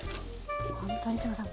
本当に志麻さん